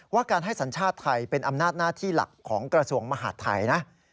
การให้สัญชาติไทยเป็นอำนาจหน้าที่หลักของกระทรวงมหาดไทยนะ